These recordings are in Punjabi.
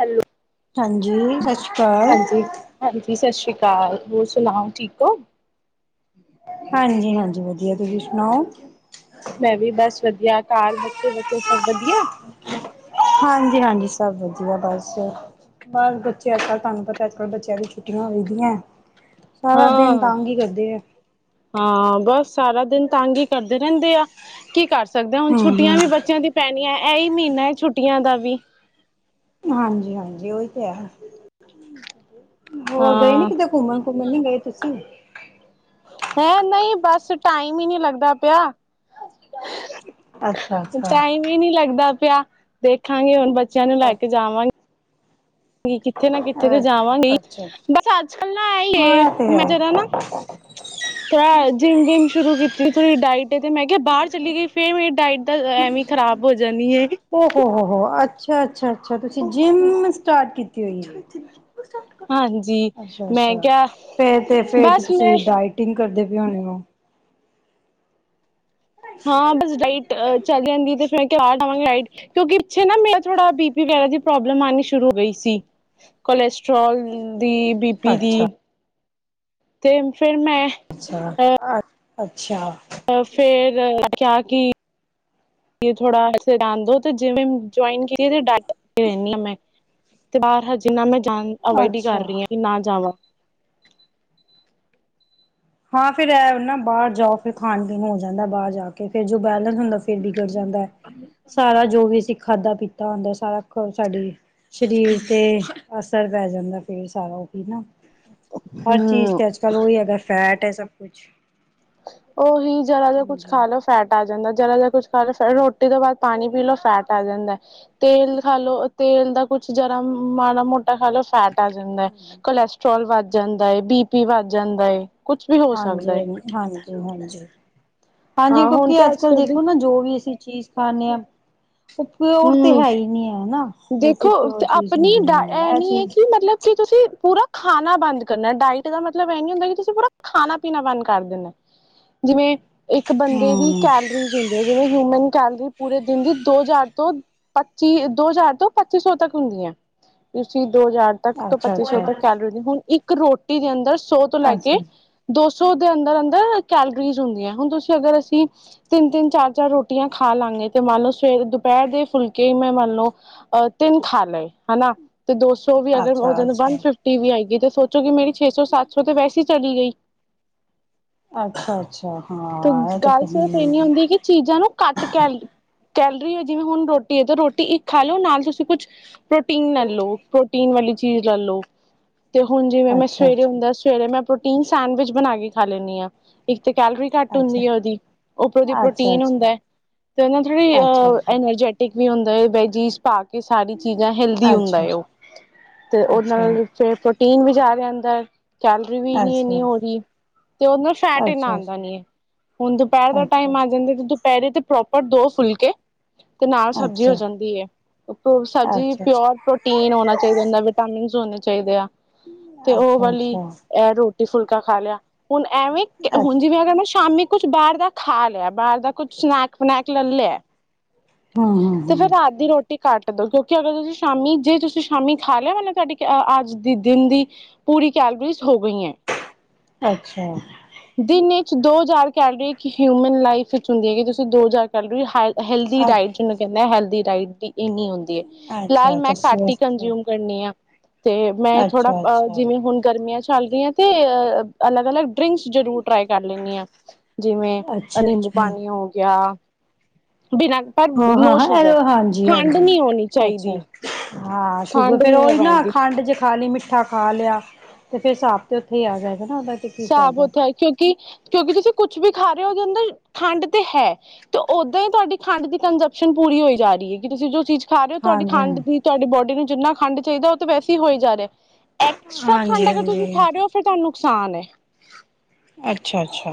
ਹੈਲੋ ਹਾਂਜੀ ਸਤਿ ਸ੍ਰੀ ਅਕਾਲ ਹਾਂਜੀ ਹਾਂਜੀ ਸਤਿ ਸ਼੍ਰੀ ਅਕਾਲ ਹੋਰ ਸੁਣਾਓ ਠੀਕ ਹੋ ਹਾਂਜੀ ਹਾਂਜੀ ਵਧੀਆ ਤੁਸੀਂ ਸੁਣਾਓ ਮੈਂ ਵੀ ਬਸ ਵਧੀਆ ਘਰ ਬੱਚੇ ਬੱਚੇ ਸਭ ਵਧੀਆ ਹਾਂਜੀ ਹਾਂਜੀ ਸਭ ਵਧੀਆ ਬਸ ਬਸ ਬੱਚੇ ਅੱਜ ਕੱਲ ਤੁਹਾਨੂੰ ਪਤਾ ਅੱਜ ਕੱਲ ਬੱਚਿਆਂ ਦੀ ਛੁੱਟੀਆਂ ਹੋਈ ਦੀਆਂ ਸਾਰਾ ਦਿਨ ਹਾਂ ਤੰਗ ਹੀ ਕਰਦੇ ਆ ਹਾਂ ਬੱਸ ਸਾਰਾ ਦਿਨ ਤੰਗ ਹੀ ਕਰਦੇ ਰਹਿੰਦੇ ਆ ਕੀ ਕਰ ਸਕਦੇ ਹੁਣ ਹੂੰ-ਹੂੰ ਛੁੱਟੀਆਂ ਵੀ ਬੱਚਿਆਂ ਦੀ ਪੈਣੀਆਂ। ਇਹੀ ਮਹੀਨਾ ਹੈ ਛੁੱਟੀਆਂ ਦਾ ਵੀ। ਹਾਂਜੀ ਹਾਂਜੀ ਉਹੀ ਤੇ ਹੈ। ਹੋਰ ਗਏ ਨੀ ਹਾਂ ਕਿਤੇ ਘੁੰਮਣ ਘੁੰਮਣ ਨੀ ਗਏ ਤੁਸੀਂ ਹੈਂ ਨਹੀਂ ਬਸ ਟਾਈਮ ਹੀ ਨਹੀਂ ਲੱਗਦਾ ਪਿਆ। ਅੱਛਾ-ਅੱਛਾ ਟਾਈਮ ਹੀ ਨਹੀਂ ਲੱਗਦਾ ਪਿਆ ਦੇਖਾਂਗੇ ਹੁਣ ਬੱਚਿਆ ਨੂੰ ਲੈ ਕੇ ਜਾਵਾਂਗੇ ਕਿੱਥੇ ਨਾ ਕਿੱਥੇ ਤੇ ਜਾਵਾਂਗੀ ਅੱਛਾ-ਅੱਛਾ ਬਸ ਅੱਜ ਕੱਲ ਨਾ ਆ ਈ ਹਾਂ ਐ ਇਹ ਤੇ ਮੈਂ ਹੈ ਜਰਾ ਨਾ ਥੋੜਾ ਜਿੰਮ ਵਿਮ ਸ਼ੁਰੂ ਕੀਤੀ ਥੋੜੀ ਡਾਇਟ ਐ ਤੇ ਮੈਂ ਕਿਹਾ ਬਾਹਰ ਚਲੀ ਗਈ ਫੇਰ ਮੇਰੀ ਡਾਇਟ ਤੇ ਐਵੇਂ ਖ਼ਰਾਬ ਹੋ ਜਾਂਣੀ ਹੈ। ਅੱਛਾ ਅੱਛਾ ਅੱਛਾ ਤੁਸੀਂ ਜਿੰਮ ਸਟਾਰਟ ਕੀਤੀ ਹੋਈ ਹੈ। ਹਾਂਜੀ ਅੱਛਾ ਮੈਂ ਅੱਛਾ ਕਿਹਾ ਫੇਰ ਤੇ ਫੇਰ ਬਸ ਮੈਂ ਤੁਸੀਂ ਡਾਇਟਿੰਗ ਕਰਦੇ ਪਏ ਹੋਣੇ ਆ। ਹਾਂ ਬਸ ਡਾਈਟ ਚੱਲ ਜਾਂਦੀ ਤੇ ਫਿਰ ਕਿਹਾ ਆ ਕਿਉਂਕਿ ਪਿੱਛੇ ਨਾ ਮੇਰਾ ਥੋੜਾ ਬੀ ਪੀ ਵਗੈਰਾ ਦੀ ਪ੍ਰੋਬਲਮ ਆਣੀ ਸ਼ੁਰੂ ਹੋ ਗਈ ਸੀ ਕੋਲੈਸਟ੍ਰੋਲ ਦੀ ਬੀ ਪੀ ਅੱਛਾ ਦੀ। ਤੇ ਫਿਰ ਮੈਂ ਅੱਛਾ ਆ। ਅੱਛਾ। ਫੇਰ ਕਿਆ ਕਿ ਥੋੜਾ ਜਾਣ ਦੋ ਤੇ ਜਿਮ ਜੁਆਇਨ ਕੀਤੀ ਤੇ ਡਾਇਟ ਏਹ ਲੈਣੀ ਆ ਮੈਂ ਤੇ ਬਾਹਰ ਹਜੇ ਨਾ ਮੈਂ ਅਵਾਇਡ ਹੀ ਅੱਛਾ ਕਰ ਰਹੀ ਹਾਂ ਕਿ ਨਾ ਜਾਵਾਂ ਹਾਂ ਫੇਰ ਇਹ ਨਾ ਬਾਹਰ ਜਾਓ ਫਿਰ ਖਾਣ ਪੀਣ ਹੋ ਜਾਂਦਾ ਬਾਹਰ ਜਾ ਕੇ ਫਰ ਜੋ ਬੈਲੈਂਸ ਹੁੰਦਾ ਫਿਰ ਬਿਗੜ ਜਾਂਦਾ ਹੈ ਸਾਰਾ ਜੋ ਵੀ ਸੀ ਖਾਧਾ ਪੀਤਾ ਹੁੰਦਾ ਸਾਰਾ ਸਾਡੇ ਸਰੀਰ ਤੇ ਅਸਰ ਪੈ ਜਾਂਦਾ ਫਿਰ ਸਾਰਾ ਉਹ ਨਾ ਹਰ ਚੀਜ਼ ਹਮ ਤੇ ਅੱਜ ਕੱਲ੍ਹ ਉਹੀ ਹੈਗਾ ਫੈਟ ਹੈ ਸਭ ਕੁਛ। ਉਹੀ ਜ਼ਰਾ ਜ ਕੁੱਛ ਹਾਂਜੀ ਖਾ ਲਓ ਫੈਟ ਆ ਜਾਂਦਾ। ਜਰਾ ਜਾਂ ਕੁਛ ਖਾ ਲੋ ਫਿਰ ਰੋਟੀ ਤੋਂ ਬਾਅਦ ਪਾਣੀ ਪੀ ਲੋ ਫੈਟ ਆ ਜਾਂਦਾ ਹੈ ਤੇਲ ਖਾ ਲੋ ਤੇਲ ਦਾ ਕੁੱਛ ਜਰਾ ਮਾੜਾ ਮੋਟਾ ਖਾ ਲੋ ਫੈਟ। ਜਾਂਦਾ ਹੈ ਕੋਲੈਸਟਰ੍ਰੋਲ ਵੱਧ ਵੱਧ ਜਾਂਦਾ ਹੈਏ, ਬੀ ਪੀ ਵੱਧ ਜਾਂਦਾ। ਕੁਛ ਵੀ ਹੋ ਸਕਦਾ ਹਾਂਜੀ ਹੈ। [inaudible] ਹਾਂਜੀ, ਕਿਉਂਕਿ ਤੇ ਅੱਜ ਕੱਲ੍ਹ ਕੱਲ ਦੀ ਦੇਖੋ ਨਾ ਜੋ ਵੀ ਅਸੀਂ ਚੀਜ਼ ਖਾਂਦੇ ਹਾਂ। ਉਹ ਉਹ ਤੇ ਹੂੰ ਹੈ, ਹੀ ਨਹੀਂ ਹੈ। ਦੇਖੋ, ਬਿਲਕੁਲ ਪਿਓਰ ਚੀਜ਼ ਆਪਣੀ ਹੁੰਦੀ ਹੀ ਡ ਨਹੀਂ ਇਹ ਨੀ ਹੈ, ਚੀਜ਼ ਕਿ ਮਤਲਬ ਕਿ ਤੁਸੀਂ। ਪੂਰਾ ਖਾਣਾ ਬੰਦ ਕਰਨਾ, ਡਾਇਟ ਦਾ ਮਤਲਬ ਇਹ ਨੀ ਹੁੰਦਾ ਕਿ ਤੁਸੀਂ ਪੂਰਾ ਖਾਣਾ ਪੀਣਾ ਬੰਦ ਕਰ ਦੇਣਾ, ਜਿਵੇਂ ਇੱਕ ਬੰਦੇ ਦੀ ਹਮ ਕੈਲਰੀਜ਼ ਹੁੰਦੀ, ਜਿਵੇਂ ਹਊਮਨ ਕੈਲਰੀ ਪੂਰੇ ਦਿਨ ਦੀ ਦੋ ਹਜ਼ਾਰ ਤੋਂ ਪੱਚੀ ਦੋ ਹਜ਼ਾਰ। ਤੋਂ ਪੱਚੀ ਸੌ ਤੱਕ ਹੁੰਦੀਆਂ ਤੁਸੀਂ ਦੋ ਹਜ਼ਾਰ ਤੱਕ ਤੋਂ ਅੱਛਾ ਪੱਚੀ ਸੌ ਅੱਛਾ ਤੱਕ ਕੈਲਰੀ ਦੀ ਹੁਣ ਇੱਕ ਇੱਕ ਰੋਟੀ ਦੇ ਅੰਦਰ ਸੌ ਤੋਂ ਲੈਕੇ, ਅੱਛਾ ਦੋ ਸੌ ਸੋ ਉਹਦੇ ਅੰਦਰ-ਅੰਦਰ ਕੈਲੋਰੀਜ਼ ਹੁੰਦੀ ਹੈ, ਹੁਣ ਤੁਸੀਂ ਅਗਰ ਅਸੀਂ ਤਿੰਨ-ਤਿੰਨ, ਚਾਰ -ਚਾਰ ਰੋਟੀਆਂ ਖਾ ਲਾਂਗੇ ਤੇ ਮੰਨ ਲਓ ਸਵੇ ਦੁਪਹਿਰ ਦੇ ਫੁਲਕੇ ਮੈਂ ਮੰਨ ਲਓ ਅ ਤਿੰਨ ਖਾਲਏ ਹਨਾ। ਤੇ ਦੋ ਸੌ ਵੀ ਅਗਰ ਉਹ ਅੱਛਾ ਜਾਂ ਅੱਛਾ ਵਨ ਫਿਫਟੀ ਵੀ ਆਏਗੀ ਤੇ ਸੋਚੋ ਕੀ ਮੇਰੀ ਛੇ ਸੌ, ਸੱਤ ਸੌ, ਤੇ ਵੈਸੇ ਚਲੀ ਗਈ। ਅੱਛਾ ਅੱਛਾ ਤੇ ਹਾਂ ਇਹ ਗੱਲ ਸਿਰਫ਼ ਇਹਨੀ ਹਮ ਹੁੰਦੀ ਕਿ ਚੀਜ਼ਾਂ ਨੂੰ ਕੱਟ ਕਹਿ ਕੈਲਰੀ ਹੋ ਜਿਵੇਂ ਹੁਣ ਰੋਟੀ ਹੈ ਰੋਟੀ ਇੱਕ ਖਾ ਲਓ ਨਾਲ ਤੁਸੀਂ ਕੁਛ ਪ੍ਰੋਟੀਨ ਲੈ ਲਓ, ਪ੍ਰੋਟੀਨ ਵਾਲੀ ਚੀਜ਼ ਲੈ ਲਓ ਤੇ ਹੁਣ ਜਿਵੇਂ ਮੈਂ ਅੱਛਾ ਸਵੇਰੇ ਅੱਛਾ ਹੁੰਦਾ ਸਵੇਰੇ ਮੈਂ ਤਿੰਨ ਸੈਂਡਵਿਚ ਬਣਾ ਕੇ ਖਾ ਲੈਂਦੀ ਹਾਂ ਇੱਕ ਤੇ ਕੈਲਰੀ ਘੱਟ ਅੱਛਾ ਹੁੰਦੀ ਹੈ ਉਹਦੀ ਉੱਪਰੋਂਦੀ ਅੱਛਾ ਪ੍ਰੋਟੀਨ ਅੱਛਾ ਹੁੰਦਾ ਹੈ ਤੇ ਉਹ ਥੋੜ੍ਹੀ ਅੱਛਾ ਅ ਐਨਰਜੈਟਿਕ ਵੀ ਹੁੰ ਦ ਬੈ ਜੀ ਤ ਕਿ ਸਾਰੀ ਚੀਜ਼ਾਂ ਹੈਲਦੀ ਹੁੰਦਾ ਅੱਛਾ ਅੱਛਾ ਉਹ ਤੇ ਉਹ ਅੱਛਾ ਨਾਲ ਫ ਪੀਨ ਵੀ ਜਾ ਰਿਹਾ, ਅੰਦਰ। ਕੈਲਰੀ ਅੱਛਾ ਵੀਨੀ ਇਨੀ ਅੱਛਾ ਹੋ ਰਹੀ, ਤੇ ਉਹਦੇ ਨਾਲ ਅੱਛਾ ਫੈਟ ਅੱਛਾ ਇੰਨਾ ਆਉਂਦਾ ਨੀ ਹੈ ਹੁਣ ਦੁਪਹਿਰ ਦਾ ਅੱਛਾ ਟਾਈਮ ਆ ਜਾਂਦਾ ਤੇ ਪੈਰੇ ਤੇ ਪ੍ਰੋਪਰ ਦੋ ਫੁਲਕੇ ਤੇ ਨਾਲ ਸਬਜ਼ੀ ਹੋ ਜਾਂਦੀ। ਸਬਜ਼ੀ ਪਿਓਰ ਪ੍ਰੋਟੀਨ ਹੋਣਾ ਚਾਹੀਦਾ ਹੁੰਦਾ ਵਿਟ ਹੋਣੇ ਚਾਹੀਦੇ ਆ। ਤੇ ਉਹ ਅੱਛਾ ਵਾਲੀ ਅੱਛਾ ਇਹ ਰੋਟੀ। ਦੀ ਫੁਲਕਾ ਖਾ ਲਿਆ। ਹੁਣ ਐਵੇਂ ਹੁਣ ਅੱਛਾ ਜਿਵੇਂ ਅਗਰ ਮੈਂ ਸ਼ਾਮੀ ਕੁਛ ਬਾਹਰ ਦਾ ਖਾ ਲਿਆ ਬਾਹਰ ਦਾ ਕੁੱਛ ਸਨੈਕ ਬਨੈਕ ਲੈ ਲਿਆ ਹੂੰ, ਹੂੰ, ਤੇ ਫਿਰ ਹੂੰ, ਰਾਤ ਦੀ ਰੋਟੀ ਕੱਟ ਦੋ ਕਿਉਂਕਿ ਅਗਰ ਤੁਸੀਂ ਸ਼ਾਮੀ ਜੇ ਤੁਸੀਂ ਸ਼ਾਮੀ ਖਾ ਲਿਆ ਨਾ ਤੁਹਾਡੀ ਅੱਜ ਦੀ ਦਿਨ ਦੀ ਪੂਰੀ ਕੈਲੋਰੀਜ਼ ਹੋ ਗਈ ਐ। ਅੱਛਾ ਵਿੱਚ ਦੋ ਹਜ਼ਾਰ ਕਹਿ ਰਹੇ ਕਿ ਹਿਊਮਨ ਲਾਈਫ ਵਿੱਚ ਹੁੰਦੀ ਹੈਗੀ ਤੁਸੀਂ ਦੋ ਹਜ਼ਾਰ ਕਰ ਹੈਲਦੀ ਡਾਇਟ ਜਿਹਨੂੰ ਕਹਿੰਦਾ ਹੈਲਦੀ ਟਾਈਟੀ ਇੰਨੀ ਹੁੰਦੀ ਹੈ ਅੱਛਾ ਫਿਲਹਾਲ ਮੈਂ ਅੱਛਾ ਘੱਟ ਹੀ ਅੱਛਾ ਕੰਨਜਿਊਮ ਕਰਨੀ ਆ। ਤੇ ਮੈਂ ਥੋੜ੍ਹਾ ਅੱਛਾ ਅ ਅੱਛਾ ਜਿਵੇਂ ਹੁਣ ਗਰਮੀਆਂ ਚ ਚੱਲ ਰਹੀਆਂ ਤੇ ਅ ਅਲਗ-ਅਲਗ ਡ੍ਰਿੰਕਸ ਜਰੂਰ ਟਰਾਈ ਕਰ ਲੈਂਦੀ ਆ ਜਿਵੇਂ ਅੱਛਾ ਨਿੰਬੂ ਅੱਛਾ ਪਾਣੀ ਹੋ ਗਿਆ ਬਿਨਾਂ ਪਰ ਹਾਂ ਹਾਂ ਨੋ ਹਾਂ ਸ਼ੂਗਰ ਇਹ ਹਾਂਜੀ ਖੰਡ ਨਹੀਂ ਹੋਣੀ ਅੱਛਾ, ਚਾਹੀਦੀ ਹਾਂ ਸ਼ੂਗਰ ਖੰਡ ਫੇਰ ਨਹੀਂ ਮੈਂ ਉਹੀ ਨਾ ਪੈਂਦੀ ਖੰਡ ਜੇ ਖਾਲੀ ਮਿੱ ਮਿੱਠਾ ਖਾ ਲਿਆ ਤੇ ਫਿਰ ਸਾਬ ਤੇ ਉੱਥੇ ਹੀ ਆ ਜਾ ਹਿਸਾਬ ਓਥ ਹੈ ਕਿਉਂਕਿ ਕਿਉਂਕਿ ਤੁਸੀਂ ਕੁਛ ਵੀ ਖਾ ਰਹੇ ਹੋ ਉਹਦੇ ਅੰਦਰ ਖੰਡ ਤੇ ਹੈ ਤੇ ਓਦਾਂ ਹੀ ਤੁਹਾਡੀ ਖੰਡ ਦੀ ਕੰਜਪਸ਼ਨ ਪੂਰੀ ਹੋਈ ਜਾ ਰਹੀ ਹੈ ਕਿ ਤੁਸੀਂ ਜੋ ਚੀਜ਼ ਖਾ ਰਹੇ ਹੋ ਤੁਹਾਡੀ ਹਾਂਜੀ ਖੰਡ ਦੀ ਤੁਹਾਡੀ ਬੋਡੀ ਨੂੰ ਜਿੰਨਾ ਖੰਡ ਚਾਹੀਦਾ, ਉਹ ਤਾਂ ਵੈਸੇ ਹੋਈ ਜਾ ਰਿਹਾ। ਐਕਸਟਰਾ ਖੰਡ ਹਾਂਜੀ ਅਗਰ ਤੁਸੀਂ ਹਾਂਜੀ ਖਾ ਰਹੇ ਹੋ, ਫਿਰ ਤੁਹਾਨੂੰ ਨੁਕਸਾਨ ਐ ਅੱਛਾ-ਅੱਛਾ।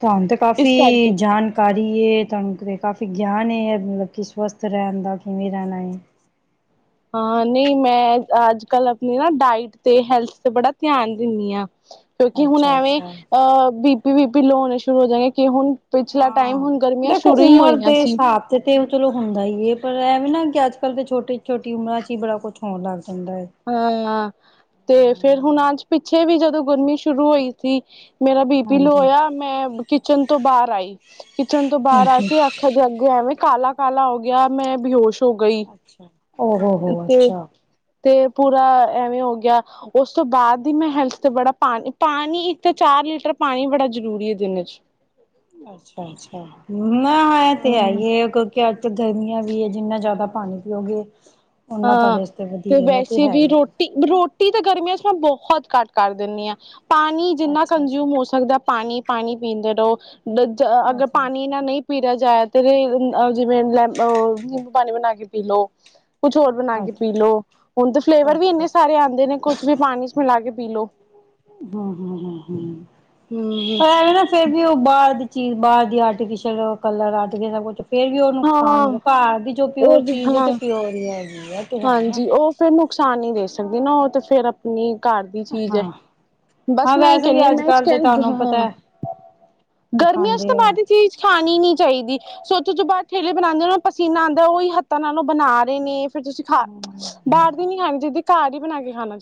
ਤਹਾਨੂੰ ਤੇ ਇਸ ਕਾਫ਼ੀ ਕਰਕੇ ਜਾਣਕਾਰੀ ਤੁਹਾਨੂੰ ਤੇ ਕਾਫ਼ੀ ਗਿਆਨ ਏ ਮਤਲਬ ਕਿ ਸਵਸਥ ਰਹਿਣ ਦਾ ਕਿਵੇਂ ਰਹਿਣਾ ਹਾਂ ਨਹੀਂ ਮੈਂ ਅੱਜ- ਕੱਲ ਆਪਣੀ ਨਾ ਡਾਇਟ ਤੇ ਹੈਲਥ ਤੇ ਬੜਾ ਧਿਆਨ ਦਿੰਦੀ ਹਾਂ ਕਿਉਂਕਿ ਹੁਣ ਅੱਛਾ ਐਵੇਂ ਅੱਛਾ ਅਹ ਵੀ ਵੀ ਪੀ ਲੋਅ ਹੋਣੇ ਸ਼ੁਰੂ ਹੋ ਜਾਂਗੇ ਹਾਂ ਦੇਖੋ ਹੀ ਉਮਰ ਹੋਈਆਂ ਦੇ ਸੀ ਹਿਸਾਬ ਤੇ ਤੇ ਉਹ ਚਲੋ ਹੁੰਦਾ ਹੀ ਹੈ, ਪਰ ਇਹ ਵੀ ਨਾ ਅੱਜ-ਕੱਲ੍ਹ ਛੋਟੀ-ਛੋਟੀ ਉਮਰਾਂ ਚ ਹੀ ਬੜਾ ਕੁਛ ਹੋਣ ਲੱਗ ਜਾਂਦਾ ਹੈ ਹਾਂ ਤੇ ਫੇਰ ਹੁਣ ਅੱਜ ਪਿੱਛੇ ਵੀ ਜਦੋਂ ਗਰਮੀ ਸ਼ੁਰੂ ਹੋਈ ਸੀ ਮੇਰਾ ਬੀ ਪੀ ਲੋ ਹਾਂਜੀ ਹੋਇਆ ਮੈਂ ਕਿਚਨ ਤੋਂ ਬਾਹਰ ਆਈ ਕਿਚਨ ਤੋਂ ਬਾਹਰ ਆ ਕੇ ਅੱਖਾਂ ਦੇ ਅੱਗੇ ਐਵੇਂ ਕਾਲਾ ਕਾਲਾ ਹੋ ਗਿਆ ਮੈਂ ਬੇਹੋਸ਼ ਹੋ ਗਈ ਅੱਛਾ ਓ ਹੋ ਹੋ ਤੇ ਅੱਛਾ ਤੇ ਪੂਰਾ ਐਵੇਂ ਹੋ ਗਿਆ ਉਸ ਤੋਂ ਬਾਅਦ ਹੀ ਮੈਂ ਹੈਲਥ ਤੇ ਬੜਾ ਪਾਣੀ ਪਾਣੀ ਇੱਕ ਚਾਰ ਲੀਟਰ ਪਾਣੀ ਬੜਾ ਜ਼ਰੂਰੀ ਹੈ ਦਿਨ ਚ ਅੱਛਾ ਅੱਛਾ ਨਾ ਇਹ ਤੇ ਹੈ ਹਾਂ ਹੀ ਹੈ। ਗਰਮੀਆਂ ਵੀ ਹੈ ਜਿੰਨਾ ਜ਼ਿਆਦਾ ਪਾਣੀ ਪੀਓਗੇ ਓਨਾ ਹਾਂ ਤੁਹਾਡੇ ਵਾਸਤੇ ਤੇ ਵਧੀਆ ਹੈ ਵੈਸੇ ਹੈ ਵੀ ਹੀ ਰੋਟੀ ਰੋਟੀ ਤਾਂ ਗਰਮੀਆਂ ਮੈਂ ਬਹੁਤ ਘੱਟ ਕਰ ਦਿੰਦੀ ਹਾਂ ਪਾਣੀ ਜਿੰਨਾ ਅੱਛਾ ਅੱਛਾ ਕੰਜ਼ਿਊਮ ਹੋ ਸਕਦਾ ਪਾਣੀ ਪਾਣੀ ਪੀਂਦੇ ਰਹੋ ਅਗਰ ਅੱਛਾ ਪਾਣੀ ਨਾ ਪੀ ਰਿਹਾ ਜਾਵੇ ਤੇ ਜਿਵੇਂ ਲੈ ਓ ਨਿੰਬੂ ਪਾਣੀ ਬਣਾ ਕੇ ਪੀ ਲਓ ਕੁਛ ਹੋਰ ਬਣਾ ਕੇ ਅੱਛਾ ਪੀ ਅੱਛਾ ਲਓ ਹੁਣ ਤੇ ਫਲੇਵਰ ਵੀ ਇੰਨੇ ਅੱਛਾ ਸਾਰੇ ਆਉਂਦੇ ਨੇ ਕੁਛ ਵੀ ਪਾਣੀ ਚ ਮਿਲਾ ਕੇ ਪੀ ਲਓ ਹਮ ਹਮ ਹਮ ਹਮ ਪਰ ਹਮ ਆਰਟੀਫਿਸ਼ਅਲ ਕਲਰ ਆਰਟੀਫਿਲ ਕੁ [unintelligible] ਫੇਰ ਵੀ ਉਹ ਨੁਕਸਾਨ ਹੀ ਹਾਂ ਘਰ ਦੀ ਜੋ ਪਿਓਰ ਉਹ ਵੀ ਚੀਜ਼ ਹੈ ਹਾਂ ਤੇ ਪਿਓਰ ਹੀ ਹੈ ਹੈਗੀ ਤੇ ਹੈ ਨਾ ਹਾਂਜੀ ਉਹ ਫੇਰ ਮੁ ਨੁਕਸਾਨ ਨਹੀਂ ਦੇ ਸਕਦੀ ਨਾ ਉਹ ਤੇ ਫੇਰ ਆਪਣੀ ਘਰ ਦੀ ਚੀਜ਼ ਹੈ ਹਾਂ ਬਸ ਹਾਂ ਮੈਂ ਇਹ ਵੈਸੇ ਵੀ ਕਹਿੰਣੀ ਹਾਂ ਅੱਜ ਮੈਂ ਕੱਲ੍ਹ ਤੇ ਕਹਿ ਤੁਹਾਨੂੰ ਹਾਂ ਪਤਾ ਹੈ ਗਰਮੀਆਂ ਚ ਤਾਂ ਦਿਖਾਉਂਦੇ ਬਾਹਰ ਹੈ ਦੀ ਚੀਜ਼ ਖਾਣੀ ਨੀ ਚਾਹੀਦੀ ਜੋ ਬਾਹਰ ਠੇਲੇ ਤੇ ਬਣਾਉਂਦੇ ਉਹਨਾ ਨੂੰ ਪਸੀਨਾ ਆਉਂਦਾ ਉਹੀ ਹੱਥਾਂ ਨਾਲ ਓ ਬਣਾ ਰਹੇ ਨੇ ਫਰ ਤੁਸੀਂ ਖਾ ਬਾਹਰ ਦੀ ਨੀ ਖਾਣੀ ਜਿਦੀ ਘਰ ਹੀ [unintelligible] [unintelligible]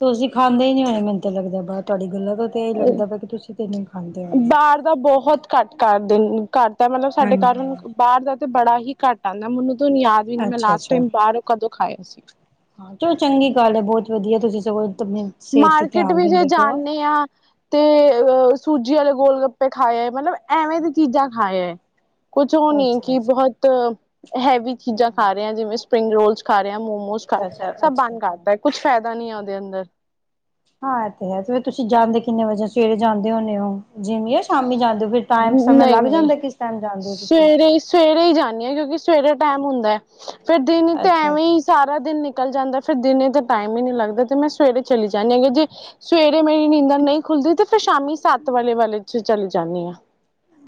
ਤੁਸੀਂ ਖਾਂਦੇ ਹੀ ਨੀ ਹੋਣੇ ਮੈਨੂੰ ਤਾਂ ਲੱਗਦਾ ਤੁਹਾਡੀ ਗੱਲਾਂ ਤੋਂ ਤੇ ਇਹੀ ਲੱਗਦਾ ਪਿਆ ਕਿ ਤੁਸੀਂ ਤੇ ਖਾਂਦੇ ਹੋਣੇ ਬਾਹਰ ਦਾ ਬਹੁਤ ਘੱਟ ਕਰਨ [unintelligible] ਤਾਂ ਮਤਲਬ ਸਾਡੇ ਘਰ ਹਾਂਜੀ ਬਾਹਰ ਦਾ ਤੇ ਬੜਾ ਹੀ ਘੱਟ ਆਉਂਦਾ ਮੈਨੂੰ ਮੈਨੂੰ ਯਾਦ ਵੀ ਨੀ ਮੈਂ ਅੱਛਾ ਲਾਸਟ ਅੱਛਾ ਟਾਈਮ ਬਾਹਰੋਂ ਕਦੋਂ ਖਾਇਆ ਸੀ ਚ [unintelligible] ਮਾਰਕੀਟ ਵੀ ਜੇ ਜਾਂਦੇ ਹਾਂ ਤੇ ਸੂਜੀ ਵਾਲੇ ਗੋਲ ਗੱਪੇ ਖਾਏ ਹੈ ਮਤਲਬ ਐਵੇਂ ਦੀ ਚੀਜ਼ਾਂ ਖਾਏ ਹੈ ਕੁਛ ਉਹ ਨਹੀਂ ਅੱਛਾ ਕਿ ਅੱਛਾ ਬਹੁਤ ਹੈਵੀ ਚੀਜ਼ਾਂ ਖਾ ਰਹੇ ਜਿਵੇਂ ਸਪਰਿੰਗ ਰੋਲਸ ਖਾ ਰਹੇ ਮੋਮੋਸ ਖਾ ਅੱਛਾ ਰਹੇ ਅੱਛਾ ਸਭ ਅੱਛਾ ਬੰਦ ਕਰ ਅੱਛਾ ਦਿੱਤਾ ਹੈ ਕੁਛ ਫਾਇਦਾ ਨਹੀਂ ਹੈ ਉਹਦੇ ਅੰਦਰ ਹਾਂ, ਇਹ ਤੇ ਹੈ, ਤੇ ਫੇਰ ਤੁਸੀਂ ਜਾਂਦੇ ਕਿੰਨੇ ਵਜੇ, ਸਵੇਰੇ ਜਾਂਦੇ ਹੋਣੇ ਹੋ? ਜਿਮ ਯਾ ਸ਼ਾਮੀ ਜਾਂਦੇ ਹੋ? ਫਿਰ, ਟਾਈਮ ਸਮਝ ਨਹੀਂ ਲੱਗ ਨਹੀਂ ਜਾਂਦੈ, ਕਿਸ ਟੈਮ ਜਾਂਦੇ ਹੋ ਤੁਸੀਂ? ਸਵੇਰੇ ਸਵੇਰੇ ਹੀ ਜਾਂਦੀ ਹਾਂ ਕਿਉਂਕਿ ਸਵੇਰੇ ਟੈਮ ਹੁੰਦਾ ਹੈ। ਫਿਰ ਦਿਨ ਤਾਂ, ਅੱਛਾ ਐਵੇਂ ਹੀ ਸਾਰਾ ਦਿਨ ਨਿਕਲ ਨਿਕਲ ਜਾਂਦਾ ਫਿਰ, ਦਿਨੇ ਤਾ ਟਾਈਮ ਹੀ ਨੀ ਲੱਗਦਾ ਤੇ, ਮੈਂ ਸਵੇਰੇ ਚਲੀ ਜਾਨੀ ਆ, ਕਿਓਂਕੀ ਸਵੇਰੇ ਮੇਰੀ ਨੀਂਦਰ ਨਹੀਂ ਖੁੱਲਦੀ ਤੇ ਫ ਸ਼ਾਮੀ ਸੱਤ ਵਾਲੇ, ਵਾਲੇ। ਅ ਚੱਲ ਜਾਂਨੀ ਆ।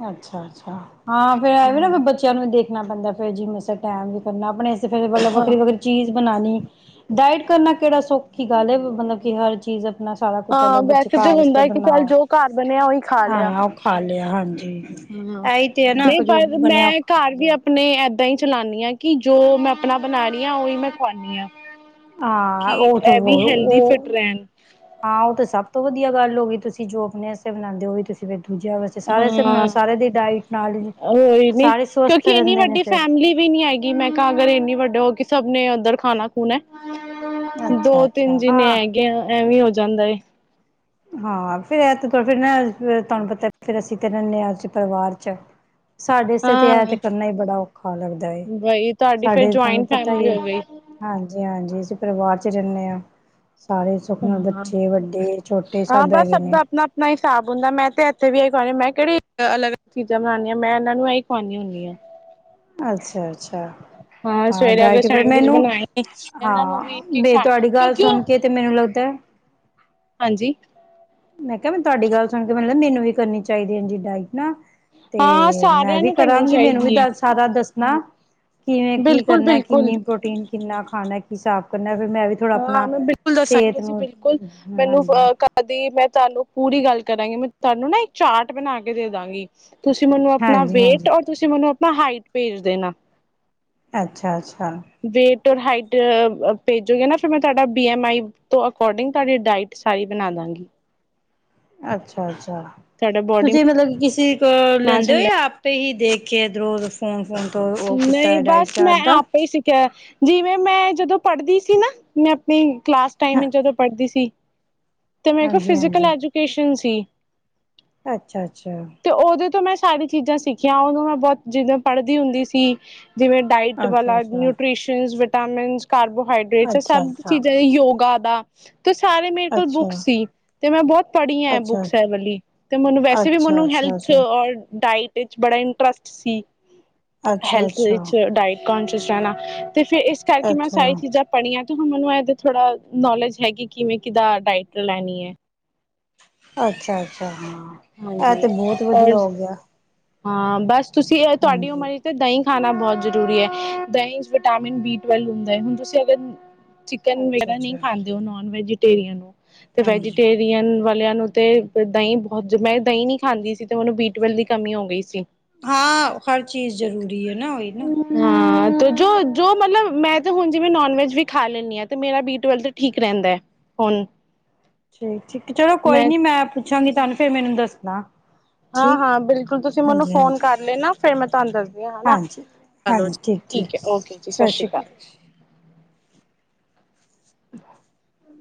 ਅੱਛਾ- ਅੱਛਾ। ਹਾਂ, ਫੇਰ ਐਵੇ ਨਾ ਹਮ ਬੱਚਿਆਂ ਨੂੰ ਦੇਖ ਦੇਣਾ ਪੈਂਦਾ, ਫੇਰ ਜਿਵੇੇ ਸਟੈਂਡ ਵੀ ਕਰਨਾ ਆਪਣੇ ਫੇਰ, ਮਤਲਬ ਹਾਂ ਵੱਖਰੀ- ਵੱਖਰੀ ਚੀਜ਼ ਬਨਾਣੀ‌। ਡਾਇਟ ਕਰਨਾ ਕਿਹੜਾ ਸੌਖੀ ਗੱਲ ਹੈ, ਮਤਲਬ ਕਿ ਹਰ ਚੀਜ਼ ਆਪਣਾ ਸਾਰਾ ਕੁਛ ਹਾਂ, ਅਲੱਗ ਬੱਚੇ ਵੈਸੇ ਤਾਂ ਘਰ ਵਾਸਤੇ ਹੁੰਦਾ ਕਿ ਚੱਲ, ਬਣਾਓ ਜੋ ਘਰ ਬਣਿਆ ਉਹੀ ਖਾ ਲਿਆ। ਗਿਆ ਹਾ ਹਾਂ, ਨਹੀਂ ਪਰ ਬਣਿਆ ਮੈਂ ਖਾ ਘਰ ਵੀ ਲਿਆ ਆਪਣੇ ਐਦਾਂ ਹੀ ਚਲਾਨੀ ਆਂ ਕਿ ਜੋ ਮੈਂ, ਆਪਣਾ ਬਣਾ ਰਹੀ ਹਾਂ, ਉਹੀ ਮੈਂ ਖਵਾਉਂਨੀ ਹਾਂ। ਕਿ ਹਾਂ, ਉਹਚੋ, ਇਹ ਵੀ ਹੈਲਦੀ ਉਹ ਫਿਟ ਰਹਿਣ ਹਾਂ। ਉਹ ਤੇ ਸਭ ਤੋਂ ਵਧੀ ਵਧੀਆ ਗੱਲ ਹੋ ਗਈ, ਤੁਸੀਂ ਜੋ ਆਪਣੇ ਵਾਸਤੇ ਅਸਤੇ ਬਣਾਂਦੇ, ਓਹੀ ਤੁਸੀਂ ਵੀ ਹਾਂ, ਨਾਲ ਉਹੀ ਨੀ ਸਾਰੇ ਸਵਸਥ ਕਿਉਂਕਿ ਇੰਨੀ ਰਹਿੰਦੇ ਨੇ ਵੱਡੀ ਫਿਰ ਫੈਮਿਲੀ ਵੀ ਨੀ ਹੈਗੀ ਮੈਂ ਕਹਾ, ਅਗਰ ਇੰਨੀ ਵੱਡੇ ਹੋ ਕੇ ਕਿਸ ਸਭ ਨੇ ਉਧਰ ਖਾਨਾ- ਖੂਣੈ ਅੱਛਾ ਦੋ- ਤਿੰਨ ਅੱਛਾ ਜਿੰਨੇ ਹੈਗੇ ਆ ਐਵੇਂ ਹੋ ਜਾਂਦਾ ਏ। ਹਾਂ, ਫੇਰ ਐ ਫੇਰ ਨਾ ਤੁਹਾਨੂੰ ਪਤਾ ਫਿਰ ਅਸੀਂ ਕਹ ਦਿੰਨੇ ਆ, ਅਸੀਂ ਪਰਿਵਾਰ ਚ ਆ। ਸਾਡੇ ਵਾਸਤੇ ਤੇ, ਐ ਹਾਂ ਤੇ ਕਰਨਾ ਹੀ ਬੜਾ ਔਖਾ ਲੱਗਦਾ ਐ, ਬਈ ਤੁਹਾਡੀ ਫਿਰ ਸਾਡੇ ਤੁਹਾਨੂੰ ਜੁਆਇੰਟ ਪਤਾ ਫੈਮਿਲੀ ਹੀ ਹੈ ਹੋ ਗਈ ਹਾਂਜੀ- ਹਾਂਜੀ। ਪਰਿਵਾਰ 'ਚ ਰਹਿੰਨੇ ਆ। ਸਾਰੇ ਸੁਖ ਨਾਲ, ਹਾਂ ਬੱਚੇ-ਵੱਡੇ ਹਾਂ, ਬਸ ਸਭ ਦਾ ਅਪਨਾ- ਅਪਨਾ ਹਿਸਾਬ ਹੁੰਦਾ ਏ। ਮੈਂ, ਤੇ ਮੈਂ ਇਥੇ ਵੀ ਏਹੀ ਖਵਾਣੀ ਹਾ, ਮੈਂ ਕਿਹੜੀ ਅਲੱਗ- ਅਲੱਗ ਚੀਜ਼ਾਂ ਬਣਾਂਨੀ ਆ, ਮੈਂ ਇਹਨਾ ਨੂੰ ਇਹੀ ਖਵਾਂਨੀ ਹੁੰਨੀ ਆ ਅੱਛਾ-ਅੱਛਾ। ਹਾਂ, ਸਵੇਰੇ ਅਗਰ ਡਰਾਕੇ ਫ ਸੈਂਡਵਿਚ ਮੈਨੂੰ ਬਣਾਏ ਇਹਨਾਂ ਹਾਂ ਨੂੰ ਵੀ ਇੱਕ ਇੱਕ ਬ ਸੈਂਡ ਤੁਹਾਡੀ ਗੱਲ ਕਿਉਂਕਿ ਸੁਣ ਉਹ ਕੇ ਤੇ ਮੈਨੂੰ ਲੱਗਦਾ [inaudible] ਹਾਂਜੀ। ਮੈਂ ਕਿਹਾ, ਮੈਂ ਤੁਹਾਡੀ ਗੱਲ ਸੁਣ ਕੇ ਮੈਨ ਮੈਨੂੰ ਵੀ ਕਰਨੀ ਚਾਹੀਦੀ ਏਂਜ ਹੀ ਡਾਇਟ ਨਾ ਤੇ, ਹਾਂ ਮੈਂ ਸਾਰਿਆਂ ਵੀ ਨੂੰ ਕਰਨੀ ਕਰਾਂਗੀ ਮੈਨੂੰ ਵੀ ਚਾਹੀਦੀ ਹੈ ਦ, ਸਾਰਾ- ਦੱਸ ਨਾ, ਕਿਵੇਂ ਕੀ ਬਿਲਕੁਲ ਕਰਨਾ ਬਿਲਕੁਲ ਕਿੰਨੀ ਪ੍ਰੋਟੀਨ ਕਿੰਨਾ ਖਾਣਾ ਸਾਫ ਕਰਨਾ ਮੈਂ ਵੀ ਥੋੜ੍ਹਾ ਹਾਂ ਆਪਣਾ ਮੈਂ ਬਿਲਕੁਲ ਦੱਸਾਂਗੀ ਸਿਹਤ ਤੁਸੀਂ ਨੂੰ ਬਿਲਕੁਲ ਮੈਨੂੰ ਹਾਂਜੀ ਅ ਕਾਹਦੀ ਮੈਂ, ਤੁਹਾਨੂੰ ਪੂਰੀ ਗੱਲ ਕਰਾਂਗੀ ਮੈਂ ਤੁਹਾਨੂੰ ਨਾ ਇੱਕ ਚਾਰਟ ਬਣਾ ਕੇ ਦੇ ਦਾਂਗੀ। ਤੁਸੀਂ ਮੈਨੂੰ ਆਪਣਾ ਹਾਂਜੀ ਵੇਟ ਹਾਂਜੀ ਔਰ ਤੁਸੀਂ ਮੈਨੂੰ ਮੈਂ ਹਾਈਟ ਭੇਜ ਦੇਣਾ ਨਾ ਅੱਛਾ-ਅੱਛਾ, ਦੇ, ਹਾਈਟ ਭੇਜੋਗੇ ਨਾ ਫਿਰ ਬੀ ਐਮ ਆਈ ਅਕੋਰਡਿੰਗ ਤੁਹਾਡੀ ਡਾਈਟ ਸਾਰੀ ਬਣਾ ਦਾਂਗੀ। ਅੱਛਾ-ਅੱਛਾ, ਤੁਹਾਡਾ ਅੱ ਬੋਡੀ ਤੁਸੀਂ ਮਤਲਬ ਕਿਸੇ ਕੋਲ ਮਾਸ ਲੈਂਦੇ ਹੋ ਇੰਡੈਕਸ। ਜਾਂ ਆਪੇ ਹੀ ਦੇਖ ਕੇ ਇਧਰੋਂ ਫੁ ਨਹੀਂ ਬਸ ਮੈਂ ਆਪੇ ਹੀ ਸਿੱਖਿਆ, ਜਿਵੇਂ ਮੈਂ ਜਦੋਂ ਪੜ੍ਹਦੀ ਸੀ ਨਾ ਮੈਂ ਆਪਣੀ ਕਲਾਸ ਟਾਈਮ ਜਦੋਂ ਪੜ੍ਹਦੀ ਸੀ। ਤੇ ਮੈਂ ਕਿਹਾ ਫਿਜ਼ਕਲ ਐਜੂਕੇਸ਼ਨ ਸੀ। ਅੱਛਾ-ਅੱਛਾ, ਤੇ ਉਹਦੇ ਤੋਂ ਮੈਂ ਸਾਰੀੀਆਂ ਚੀਜ਼ਾਂ ਸਿੱਖੀਆਂ ਉਹਨੂੰ ਮੈਂ ਬਹੁਤ ਜਿਦੋਂ ਪੜ੍ਹਦੀ ਹੁੰਦੀ ਸੀ। ਸੀ, ਜਿਵੇਂ ਡਾਇਟ ਅੱਛਾ ਵਾਲਾ ਅੱਛਾ ਨਿਊਟ੍ਰੀਸ਼ਨ, ਤਾਮਿਲ ਕਾਰਬੋਹਾਈਡਰੇਟਸ ਅੱਛਾ ਸਭ ਚੀਜ਼ਾਂ ਯੋਗਾ ਦਾ, ਤੇ ਸਾਰੇ ਮੇਰੇ ਅੱਛਾ ਕੋਲ ਅੱਛਾ ਬੁੱਕਸ ਸੀ ਤੇ ਮੈਂ ਬਹੁਤ ਪੜ੍ਹੀ ਆ ਇਹ ਅੱਛਾ ਬੁੱਕਸ ਵਾਲੀ ਤੇ ਮੈਨੂੰ ਵੈਸੇ ਵੀ ਅੱਛਾ ਮੈਨੂੰ ਹੈਲਥ ਅੱਛਾ ਔਰ ਡਾਇਟ ਇਹ ਬੜਾ ਇੰਟਰਸਟ ਸੀ। ਅੱਛਾ ਅੱਛਾ ਅੱਛਾ ਹੈਲਥ ਵਿੱਚ ਡਾਇਟ ਕੋਂਸ਼ੀਅਸ ਰਹਿਣਾ, ਤੇ ਫਿਰ ਇਸ ਕਰਕੇ ਮੈਂ ਅੱਛਾ ਸਾਰੀ ਚੀਜ਼ਾਂ ਪੜ੍ਹੀਆਂ। ਇਹਦੇ ਥੋੜਾ ਨੋਲੇਜ ਹੈਗੀ ਕਿਵੇਂ ਕਿਾਂ ਡਾਇਟਰ ਲੈਣੀ ਹੈ। ਅੱਛਾ-ਅੱਛਾ ਹਾਂ। ਇਹ ਹਾਂਜੀ ਤੇ ਬਹੁਤ ਔਰ ਵਧੀਆ ਹੋਗਿਆ। ਹਾਂ ਬਸ, ਤੁਸੀਂ ਤੁਹਾਡੀ ਉਮਰ ਤੇ ਦਹੀਂ ਖਾਣਾ ਬਹੁਤ ਜ਼ਰੂਰੀ ਹੈ ਦਹੀਂ ਵਿਟਾਮਿਨ ਬੀ ਟਵੇਲਵ ਹੁੰਦਾ ਹੈ ਹੁਣ ਤੁਸੀਂ ਅਗਰ ਚਿਕਨ ਅੱਛਾ ਵਗੈਰਾ ਨਹੀਂ ਅੱਛਾ ਖਾਂਦੇ ਉਹ ਨੋਨ ਵੈਜ ੇਰੀਆਂ ਨੂੰ [unintelligible] ਤੇ ਹਾਂਜੀ ਵੈਜੀਟੇਰੀਅਨ ਨੂੰ ਤੇ ਦਹੀਂ ਜੀ ਮੈਂ ਦਹੀਂ ਨਹੀਂ ਖਾਂਦੀ ਸੀ ਤੇ ਮੈਨੂੰ ਬੀ ਟਵੈਲਵ ਦੀ ਕਮੀ ਹੋ ਗਈ ਸੀ ਏ ਨਾ ਹੋਏ ਨਾ [unintelligible] ਹਾਂ ਜੋ ਜੋ ਮਤਲਬ ਮੈਂ ਤੇ ਹੁਣ ਜਿਵੇਂ ਨੋਨਵੈਜ ਵੀ ਖਾ ਲੈਂਦੀ ਹਾਂ ਤੇ ਮੇਰਾ ਬੀਟ ਟਵੇਲਵ ਠੀਕ ਰਹਿੰਦਾ ਹੈ ਹੁਨ ਠੀਕ ਚਲੋ ਕੋਈ ਨੀ ਮੈਂ ਪੁੱਛਾਂਗੀ ਤੁਹਾਨੂੰ ਫੇਰ ਮੈਨੂੰ ਦੱਸਣਾ ਹਾਂ ਠੀਕ ਹਾਂ ਬਿਲਕੁਲ ਤੁਸੀਂ ਮੈਨੂੰ ਹਾਂਜੀ ਫੋਨ ਹਾਂਜੀ ਕਰ ਲਏ ਨਾ ਫੇਰ ਮੈਂ ਤੁਹਾਨੂੰ ਦੱਸਦੀ ਹਾਂ ਹੇਨਾ ਚਲੋ ਠੀਕ ਹੈ ਓਕੇ ਜੀ ਸਤਿ ਸ਼੍ਰੀ ਅਕਾਲ ਹ [unintelligible]